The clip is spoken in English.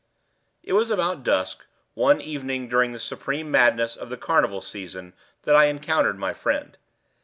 It was about dusk, one evening during the supreme madness of the carnival season, that I encountered my friend.